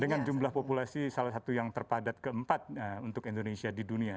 dengan jumlah populasi salah satu yang terpadat keempat untuk indonesia di dunia